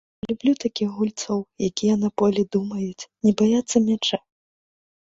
Я люблю такіх гульцоў, якія на полі думаюць, не баяцца мяча.